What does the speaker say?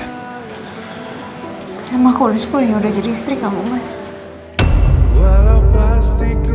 emang aku harus pulih udah jadi istri kamu mas